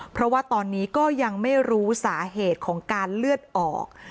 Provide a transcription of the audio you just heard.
เพราะว่าตอนนี้ก็ยังไม่รู้สาเหตุของการเลือดออก